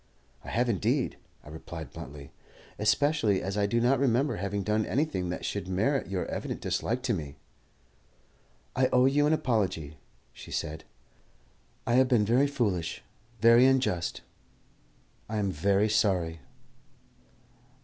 "I have indeed," I replied bluntly, "especially as I do not remember having done anything that should merit your evident dislike to me." "I owe you an apology," she said. "I have been very foolish, very unjust. I am very sorry."